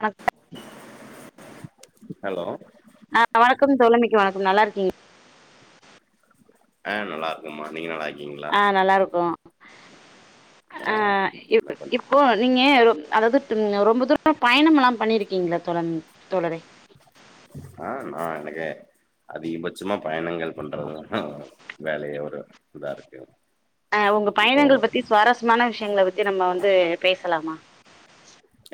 [unintelligible] Hello ஆ வணக்கம் தோழமைக்கு வணக்கம் நல்லா இருக்கீங் ஆ நல்லா இருக்கம்மா நீங்க நல்லார்க் ஆ நல்லா இருக்கோ ஆ என்ன இப் பண் இப்போ நீங்க ரொ அதாவது ரொம்ப தூரம் பயணம்லா பண்ணிருகீங்ளா தோழன் தோழரே ஆ நா எனக்கு அதிகபட்சமா பயணங்கள் பண்றதுதா வேலயே ஒரு இதாருக்கு ஆ உங்க பயணங்கள் பத்தி சுவாரஸ்யமான விஷயங்கள் பத்தி நம்ம து பேசலாமா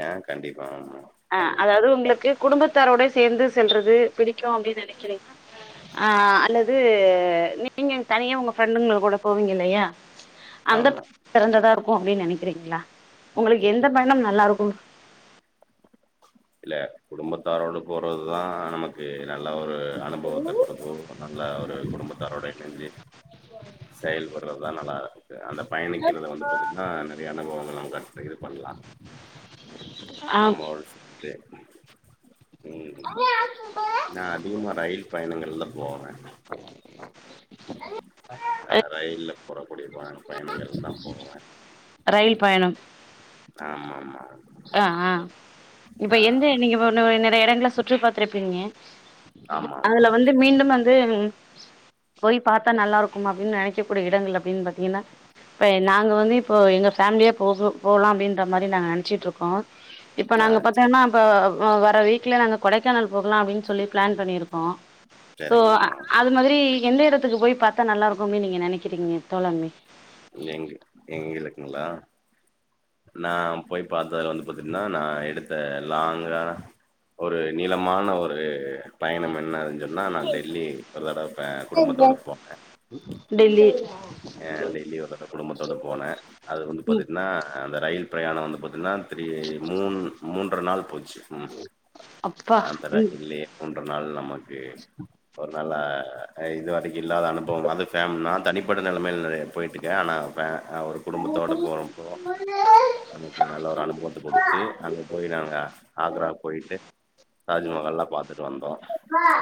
ஏ கண்டிப்பா ஆமா அ கண்டிப்பா அதாவது உங்ளுக்கு குடும்பத்தாரோட சேர்ந்து செல்றது பிடிக்கு அப்டினு நினைக்கிறீங்களா ஆ அல்லது நீங்க தனியா உங்க ஃப்ரெண்டுங்க கூட போவீங்க இல்லயா அந்த ஆமா பயணம் சிறந்ததா இருக்கும் அப்டினு நினைக்றீங்களா உங்களுக்கு எந்த பயணம் நல்லா இருக்கும் ல குடும்பத்தாரோட போறது தா நமக்கு நல்ல ஒரு அனுபவத்த கொடுக்கும் நல்ல ஒரு குடும்பத்தாரோட இணெஞ்சு செயல்பட்றதுதா நல்லா அந்த பயணிக்கிறத வந்து பாத்தீங்கனா நிறய அனுபவங்கள் நம்ம இது பண்ணலாம் ஆ நம்ம செர் அதிகமா ரயில் பயணங்கள்ல [unintelligible] போனே நா ரயில்ல போறக்குடியிர பயணங்கள் தா போவே ரயில் பயணம் ஆமாம்மா ஆ ஆ இப்ப எந்த நீங்க ப நெறய எடங்ள சுத்தி ற்று பாத்ருப்பீங்க ஆமாமா அதுல வந்து மீண்டும் வந்து ம் போய் பாத்தா நல்லாருக்கும் அப்டின் நெனைக்க கூடிய இடங்கள் அப்டின் பாத்தீங்கென்னா ப நாங்க வந்துப் இப்போ எங்க ஃபேமிலியே போகு போலாம்டின்ற மாரி நாங்க நெனச்சுட்ருக் கோ இப்ப ஆ நாங்க சே பாத்தன்னா அப்ப வ வர வீக் க்ல நாங்க கொடைக்கானல் போகலா அப்டின் சொல்லி ப்ளான் பண்ணியிருக்கோ தோ அ சேரிங்கம்மா அது மாதுரி எந்த எடத்துக்கு போய் பாத் த நல்லா இருக்குமி நீங்க நெனக்கிறீங்க தோழன்மி எங்க எங்களுக்குங்ளா நான் போய் பாத்தல வந்து பாத்தீங்கன்னா நா எடுத்த லாங்கா ஒரு நீளமான ஒரு பயணம் என்னதுன் சொன்னா நா டெல்லி ஒரு தடவ குடும்பத்தோட போன டெல்லி ஒரே ஒர் தடவை குடும்பத்தோட போனே அது வந்து பாத்திங்கன்னா அந்த ரயில் பிரயாணம் வந்து பாத்தன்னா த்ரீ மூணு மூண் ற நாள் போய் ச்சி ம் அப்பா அந்த ம் [unintelligible] ண்ற நாள் நமக் க் ஒர் நா ல்லா இது வரைக்கு இல்லாத அனுபவம் அது ஃபேம் நா தனிப்பட்ட நெலமை [unintelligible] போயிட்டுக்கே ஆனா ஃபே ஆ ஒரு குடும்பத்தோட போறப்போ நமக்கு நல்ல ஒரு அனுபவத்த குடுத் ச்சி அங்க போய் நாங்க ஆக்ரா போயிட்டு தாஜ்மஹால்லா பாத்துட்டு வந்தோ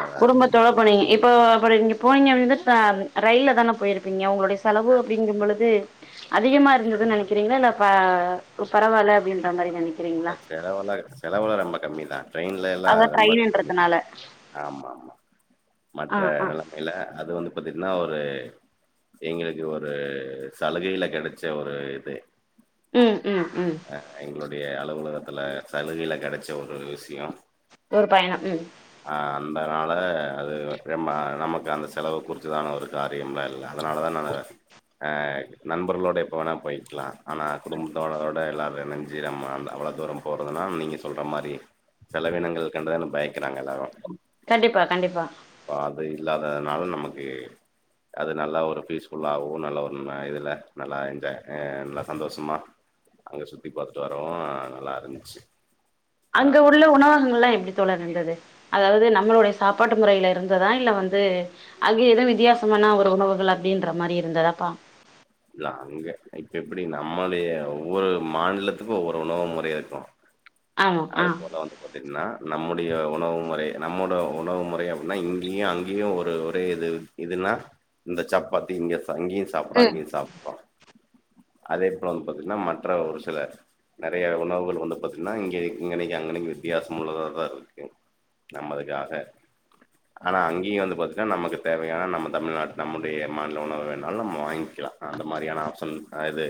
அ குடும்பத்தோட போனீங்க இப்போ அப்புடி நீங்க போனீங்க [unintelligible] [unintelligible] ரயில்ல தான போயிருப்பீங்க உங்களுடை செலவு அப்டிங்கும் பொழுது அதிகமா இருந்ததுன் நெனக்கிறீங்ளா இல்ல ப பரவால்ல அப்டின்ற மாரி நெனை அந்த செலவெல்லா செலவெல்லா ரொம்ப கம்மிதா ட்ரெயின்ல எல்லா அதா ரொம்ப கம்மி ட்ரெயின்ன்றதுனால ஆமாமா ஆ மற்ற ஆ நெலமைல அது வந்து பாத்தீங்கன்னா ஒரு எங்களுக்கு ஒரு சலுகையில கெடைச்ச ஒரு இது ம் ம் ம் உலகத்துல சலுகையில கெடைச்ச ஒரு விஷியோ ஒரு பயணம் ம் அ அந்தனால அது ரம்ப நமக்கு அந்த செலவு குறிச்சுதான ஒரு காரியமல்லா இல்ல அதனால நால அ நண்பர்களோட எப்ப வேணா போயிக்கலா ஆனா குடும்பத்தோடோட எல்லாரு பதினஞ்சு ரம்மாண்ட அவ்ளோ தூரம் போறதுன்னா நீங்க சொல்ற மாரி செலவினங்கள் கண்டுதான பய கண்டிப்பா கண்டிப்பா இப்ப அது இல்லாதனால நமக்கு அது நல்லா ஒரு பீஸ்ஃபுல்லாவு நல்ல ஒரு இதில நல்லா என்ஜா நல்லா சந்தோஷமா அங்க சுத்தி பாத்துட்டு வரவு நல்லா இருந்துச்சு அங்க ஆமா உள்ள உணவகங்கள்லா எப்டி தோழர் இருந்துது அதாவ்து நம்மளுடைய சாப்பாட் டு முறைல இருந்ததா இல்ல வந்து அங்க எதுவு வித்தியாசமான ஒரு உணவுகள் அப்டின்ற மாரி இருந்ததாப்பா இல்ல அங்க இப்ப எப்டி நம்மளிய ஒவ்வொரு மாநிலத்துக்கு ஒவ்வொரு உணவு முறையா இருக்கு ஆமா ஆ அதுப் போல வந்து பாத்தீங்னா நம்முடைய உணவு முறை நம்மோட உணவு முறை அப்டின்னா இங்கியு அங்கியு ஒரு ஒரே இது இதுன்னா இந்த சப்பாத்தி இங்க பங்கேயும் சாப்புட ம் அங்கேயு சாப் [inaudible] அதே போல வந்து பாத்தீங்கன்னா மற்ற ஒரு சில நெறைய உணவுகள் வந்து பாத்தீங்கன்னா இங்க இங்கனைக்கு அங்கனைக்கு வித்தியாசம் உள்ளதாக தா இருக்கு நம்மதுக்காக ஆனா அங்கேய வந்து பாத்தீங்கன்னா நமக்கு தேவையான நம்ம தமிழ்நாட்டு நம்முடைய மாநில உணவு வேணாலும் நம்ம வாங்கிக்கலா அந்த மாரியான ஆப்ஷன் அ இது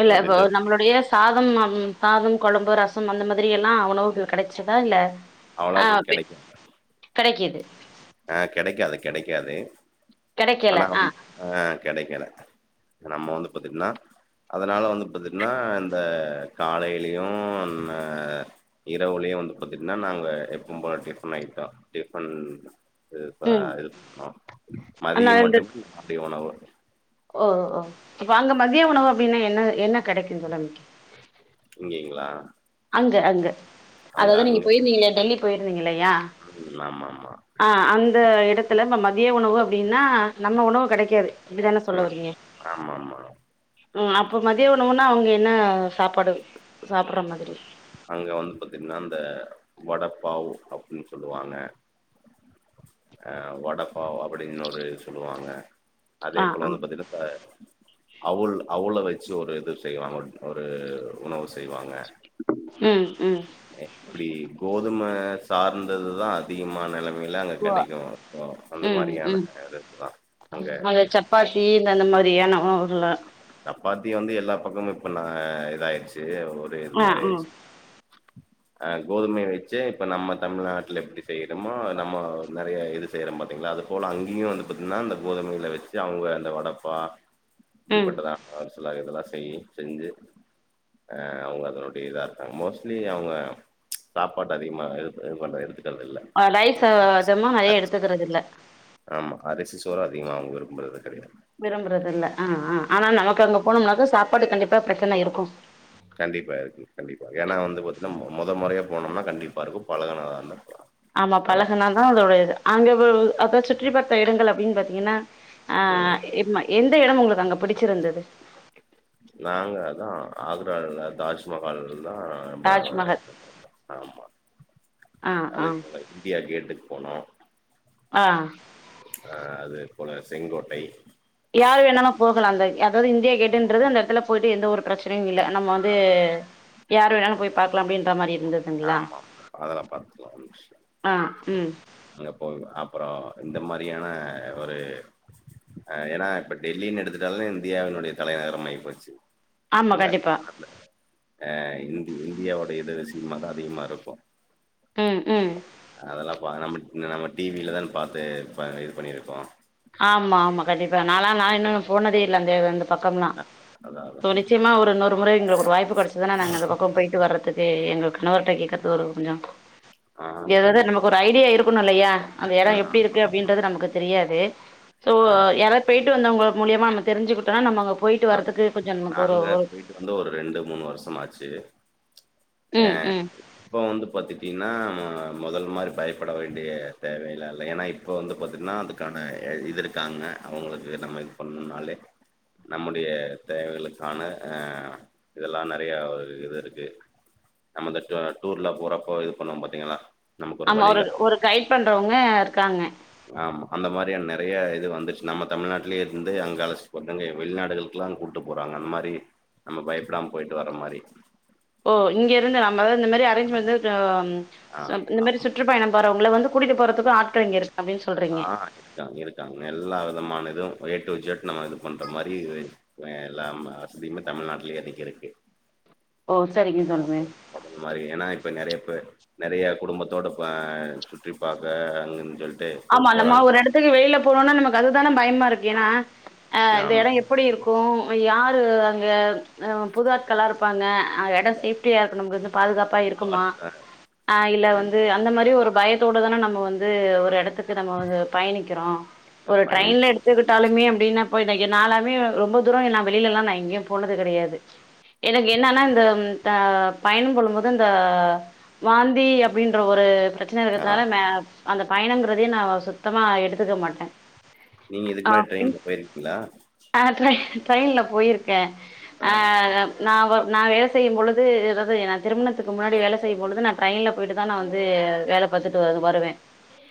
இல்ல ஒரு இப்ப இது நம்மளுடைய சாதம் நம் சாதம் கொழம்பு, ரசம், அந்த மாதிரி எல்லா உணவுகள் கெடைச்சுதா இல்ல அவளாது கெடைக்கு க்கிடு கெடைக்காது ஆனா ஆ ம் அஹ் கெடைக்கல நம்ம வந்து பாத்தீங்ன்னா அதனால வந்து பாத்தீன்னா இந்த காலையிலயு அ இரவுலயு வந்து பாத்தீங்கன்னா நாங்க எப்ப போல டிஃபன் ஐட்டோ டிஃபன் இது இப்ப ம் இது [inaudible] ஆனா மதியம் இந்த மட்டும் [inaudible] தெ உணவு ஓ ஹோ ஓ இப்ப அங்க மதிய உணவு அப்படின்னா என்ன என்ன கெடைக்கு தோழமைக்கு இங்கேங்ளா அங்க அங்க அதாவது நீங்க போயிருந்தீங்க டெல்லி போயிருந்தீங்கல்லையா ம் ஆமாமா. ஆ அந்த எடத்துல [unintelligible] திய உணவு அப்டின்னா நம்ம உணவு கெடைக்காது ப்டிதானே சொல்ல ம். வரீங்க ஆமாமா. ம் அப்ப மதிய உணவுன்னா அவங்க என்ன சாப்பாடு சாப்டுற மாதிரி அங்க வந்து பாத்தீங்கன்னா இந்த வடப்பாவ் அப்டின்னு சொல்லுவாங்க அஹ் வடப்பாவ் அப்படின்னு ஒரு இது சொல்லுவாங்க ஆ அதேப் போல ஆ வந்து பாத்தின்னா ப்ப அவுல் அவுல வச்சு ஒரு இது செய்வாங்க ஒரு உணவு செ ய்வாங்க ம் ம் தும சார்ந்ததுதா அதிகமா நெலமே ல அங்க ஓ கெடைக்கு அந்த ம் ம் மாரியான [inaudible] அங்க நம்ம ஊருல ப்பாத்தி வந்து எல்லா பக்கமு இப்ப நா இதாயிருச்சு ஒரு இது ஆ மாரி ம் ஆயிச்சி அஹ் கோதுமைய வச்சே இப்ப நம்ம தமிழ்நாட்ல எப்டி செய்றோமோ நம்ம நெறய இது செய்றோ பாத்தீங்ளா அது போல அங்கேயும் வந்து பாத்தீங்கன்னா அந்த கோதுமையில வச்சு அவங்க அந்த வடப்பா [unintelligible] ம் பட்டுதா [unintelligible] இதல்லாம் செய் செஞ்சு ஏ அவங்க அதனுடைய இதா இருக்காங்க மோஸ்ட்லி அவங்க சாப்பாட்ட அதிகமா இது பண்ற [unintelligible] அ ரைஸ்சு அரிசி அதல்லா நிறைய அரிசி எடுத்துக்குறது இல்ல ஆமா அரிசி சோறு அதிகமா அவங்க விரும்புறது கெடையாது விரும்புறது இல்ல ஆஹ் ஆஹ் ஆனா நமக்கு அங்க போனோம்னாக்க சாப்பாடு கண்டிப்பா பிரச்சனை இருக்கும் கண்டிப்பா இருக்கு கண்டிப்பா ஏன்னா வந்து [unintelligible] மொத மொறையா போனோம்னா கண்டிப்பா இருக்கும் பழகுனாதா ஆமா பழகுனா தா அதோடையது அங்க போ-அத சுற்றி பார்த் பேருந்துல அப்டின்னு பாத்தீங்கன்னா ம் ஆஹ் இருமா எந்த இடம் உங்களுக்கு அங்க பிடிச்சிருந்தது நாங்க அதா ஆக்ரால தாஜ்மஹால் ஆஹ் தாஜ்மஹல் [unintelligible] ஆமா ஆ ஆ அதே போல இந்தியா கேட்டுக் போனோம் ஆ ஆஹ் அதே போல செங்கோட்டை யார் வேணாலும் போகலாம் அந்த அதாவது இந்தியா கேட்டுன்றது அந்த இடத்துல போயிட்டு எந்த ஒரு பிரச் சனையும் இல்ல நம்ம வந்து யார் வேணாலும் போய் பாக்கலாம் அப்படின்ற மாரி இருந்ததுங்களா ஆமா ஆமா அதெல்லா பாத்துக்கலா ஒன்னு ஆ ம் [unintelligible] [unintelligible] அப்பறோ இந்த மாரியான ஒரு ஆ ஏன்னா இப்ப டெல்லின்னு எடுத்துட்டாலே இந்தியாவினுடைய தலைநகரம் ஆய் போச்சு ஆமா அங்க கண்டிப்பா [unintelligible] அ இந்தி இந்தியாவோட இதஸ் இனமதா அதிகமா இருக்கு ம் ம் [unintelligible] நம்ம டிவில தான பாத்து இப்ப இது பண்ணிருப்போ ஆமா ஆமா கண்டிப்பா நாலா நா இன்னு போனதே லந்தே வந்து பக்கம்னா அ அதா அதா ஸோ நிச்சயமா ஒரு இன்னொரு முறை எங்களுக்கு ஒரு வாய்ப்பு கெடச்சிதுன்னா நாங்க அந்த பக்கம் போயிட்டு வரத்துக்கு எங்கள்க்கு இன்னோர்ட்ட கேக்கறது ஒரு கொஞ்சோ ஆ எதாவது கண்டிப் நமக்கு ஒரு ஐடியா இருக்கணுயில்லையா அந்த எட ம் எப்டிருக்கு அப்டின்றது நமக்கு தெரியாது சோ யாராத் பொய்ட்டு வந்தவங்க மூலியமா [unintelligible] தெரிஞ்சுக்கிட்டோ நம்ம அங்கப் ஆ நாங்க போய்ட்டு வந்து ஒரு ரெண்டு மூணு வருசமாச்சி அ ம் ம் இப்போ வந்து பாத்தி தீன்னா ம மொதல் மாரி பயப்பட வேண்டிய தேவைலா இல்ல ஏன்னா இப்ப வந்து பாத்தின்னா அதுக்கான எ இதுருக்காங்க அவங்களுக்கு நம்ம எதும் பண்ணும்னாலே நம்முடைய தேவையளுக்கான ஆ இதெல்லா நெறையா ஒரு இதுயிருக்கு நம்ம இந்த ட் டூர்ல போறப்போ இது பண்ணுவோ பாத்தீங்களா நமக்கு ஆமா ஒரு வழிகாட்டு ஒரு கைட் பண்றவங்க இருக்காங்க ஆமா அந்த மாரியான நெறைய இது வந்துருச்சி நம்ம தமிழ்நாட்லயே இருந்து அங்க அழச்சிட்டுப்போறது [unintelligible] வெள்நாடுகளுக்கெல்லா கூட்டு போறாங்க அந்த மாரி நம்ம பயப்படாம போயிட்டு வர மாரி ஒ இங்கயிருந்த நம்மள இந்த மாரி அரேஞ்ச் வந்து ஆ ஆ [unintelligible] இந்த ஆ மாரி சுற்றுப்பயண போறவங்கள வந்து கூட்டிட்டு போற புது ஆட்கள் இங்க இருக் ஆஹ் ருக்காங் இருக்காங் எல்லா விதமான இதும் ஏ டு இஜெட் நம்ம இது பண்ற மாரி இது வ எல்லாம் வஸ்தியுமே தமிழ்நாட்லயே அதிகரிக்கு ஒ செரிங்க சொல்றே வச் நெறய குடும்பத்தோட ப சுற்றி பார்க்க அங்கன்சொல்ட்டு ஆமா நம்ம ஒரு எடத்துக்கு வெயில்ல போனோன்னா நமக்கு அதுதான பயம்மாருக் ஏனா. ஆ இந்த ஆமா எட எப்புடி இருக்கும் யார் [unintelligible] அங்க ஆ புது ஆட்களா இருப்பாங்க நா எடொ சேஃப்டியா இருக்கனும்கன்னு பாதுகாப்பா இருக்குமா அ இல்ல ம் வந்து அந்த மாரி ஒரு பய தோட தான நம்ம வந்து ஒரு எடத்து துக்கு நம்ம வந்து பயணிக்கிரோ இப்ப ஒரு ட்ரெயின்ல பயணிக்க எடுத்துக்கிட்டாலுமே அப்படின்னா போய் இன்னைக்கி நாளாமே ரொம்ப தூரம் ந வெளியல்லா நா எங்கேயு போனதுகெடையாது எனக்கு என்னன்னா இந்த அ பயணம் பண்ணும்போது இந்த வாந்தி அப்படின்ற ஒரு பிரச்சன ஆ இருக்கிறதுனால மே அந்த பயணங்கள் சுத்தமா எடுத்துக்க மாட்டேன் நீங்க இதுக்கு முன்னாட் ட்ரெயின்ல பொயிர்க்கிங்ளா ஆ ட்ரை ட்ரெயின்ல போயிருக்கே ஆஹ் நா வா நா வேலை செய்யு பொழுது அதாவது நா திருமணத்துக்கு முன்னாடி வேல செய்யும்பழுது நா ட்ரெயின்ல போயிட்டுதா நா வந்து வேலை பாத்துட்டு வரு வருவே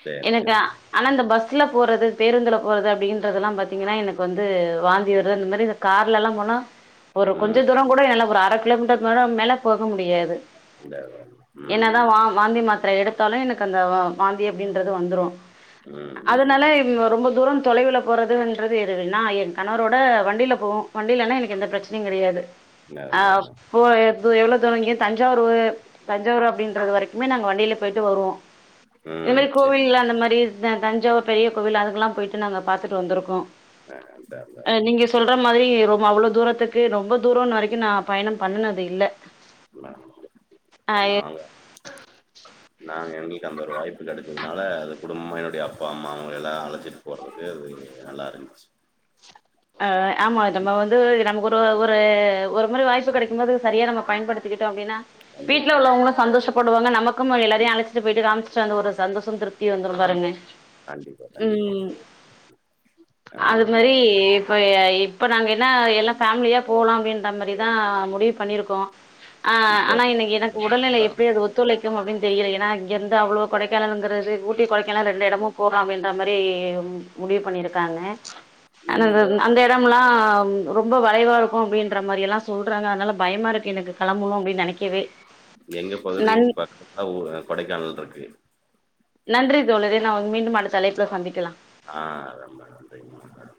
சேரி எனக்கு சேரி ஆனா இந்த பஸ்ல போறது பேருந்துல போறது அப்படின்றத எல்லா பாத்தீங்கன்னா எனக்கு வந்து வாந்தி வருது அந்த மாரி இந்த கார்லல்லா போனா ஒரு கொஞ்சொ ம் தூரொ கூட எல்ல ப்ரோ அரக் லம்ட மரம் மேலெப்போக முடியாது இந்த ம் என்னதா ம் வா வாந்தி மாத்ர எடுத்தாலு எனக் அந்த மாந்தி அப்டின்னு ன்றது வந்துரு ம் ம் அதனால ரொம்ப தூரம் தொலைவில்ல போறது உன்றது எதுவு நா என் கணவரோட வண்டில போவோ வண்டிலனா எனக்கு எந்த பிரச்னையு கெடையாது அதா அதா அஹ்ப்பொ து எவ்ளோ தூரங்கே தஞ்சாவ்ரூ தஞ்சாவூர் அப்டின்றது வரைக்குமே நாங்க வண்டிய்ல பொயிட்டு வருவோ உம் கோவில்ல அந்த மாரி இததா கொஞ்சாவ பெரிய கோவில் அக்கெல்லா போயிட்டு நாங்க பாத்துட்டு வந்திருகோ அதா அதா அஹ் நீங்க சொல்ற மாதிரி ரொம்ப அவ்ளோ தூரத்துக்கு ரொம்ப தூர வரைக்கு நா பயண பண்ணனது இல்ல ஆ ஆ இப்ப நால நான எங்களுக்கு அந்த ஒரு வாய்ப்பு கெடைச்சதுனால அது குடும்ப என்னுடைய அப்பா அம்மா அவங்கல்லா அழைச்சிட்டு போறதுக்கு அது நல்லாருந்துச்சு ஆஹ் ஆமா நம்ம வந்து நமக்கொரு ஒர் ப ஒரு மாரி வாய்ப்பு கெடைக்கும்போது சரியா நம்ம பயன்படுத்திக்கிட்டோ அப்டினா அப்படின்னா வீட்ல கண்டிப்பா உள்ளவங்களு சந்தோஷப்படுவாங்க நமக்கும் எல்லாரையு அழச்ட்டு பொயிட்டு காம்ச்ட்டு வந்த ஒரு சந்தோஷம் திருப்தி வந்துரும் ஆமா பாருங்க கண்டிப்பா கண்டிப்பா உம் ஆ அது மாதிரி அ இப்பொ நாங்க என்ன எல்லா ஃபேம்லியா போலா அப்டின்ற மாரிதா முடிவு பண்ணிருக்கோ ஆஹ் இப்ப ஆனா இன்னைக்கு எனக்கு உடல்நிலை கொடைக்கானலா எப்படி அது ஒத்துழைக்கு அப்படின்னு தெரியல ஏன்னா இங்கருந்து அவ்ளோ கொடைக்கானலுங்குறது ஊட்டி கொடைக்கானால் ரெண்டெடமு போகா அப்டின்ற மாரி முடிவு பண்ணிருக்காங்க உம் இப்பல்லா ரொம்ப வளைவா இருக்கு அப்டின்ற மாரி எல்லா சொல்றாங்க அதனால பயமா இருக்கு எனக்கு கெளம்பழு அப்டின்னு நெனைக்கவே எங்க பகுதின் நன் பாத்திங்னா ஒரு கொடைக்கானல் இருக்கு நன்றி தோழரே நா உ மீண்டு அந்த தலைப்புல சந்திக்கலா ஆஹ் ரம்ப ரம்பைங்க மேடம்